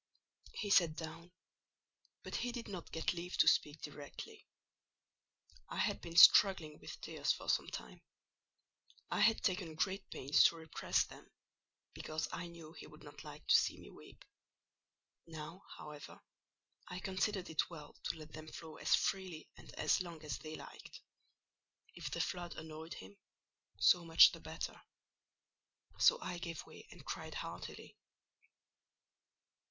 He sat down: but he did not get leave to speak directly. I had been struggling with tears for some time: I had taken great pains to repress them, because I knew he would not like to see me weep. Now, however, I considered it well to let them flow as freely and as long as they liked. If the flood annoyed him, so much the better. So I gave way and cried heartily.